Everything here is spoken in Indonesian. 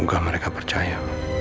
semoga mereka percaya